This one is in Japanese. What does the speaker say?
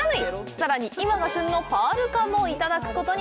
さらに、今が旬のパール柑もいただくことに。